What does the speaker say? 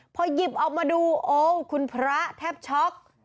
พอหยิบออกมาดูโอ้คุณพระแทบช็อก